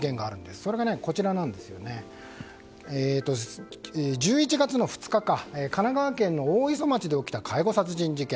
それが１１月の２日、神奈川県の大磯町で起きた介護殺人事件。